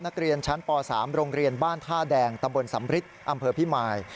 นักเรียนชั้นป๓โรงเรียนบ้านท่าแดงตำบลสำริทอำเภอพิมาย